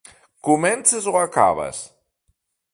Comences o acabes?